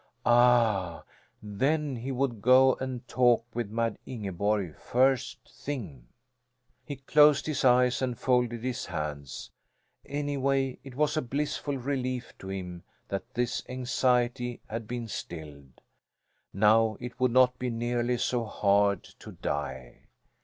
Ah, then he would go and talk with Mad Ingeborg first thing. He closed his eyes and folded his hands. Anyway, it was a blissful relief to him that this anxiety had been stilled. Now it would not be nearly so hard to die.